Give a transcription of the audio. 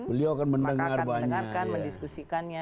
beliau akan mendengarkan mendiskusikannya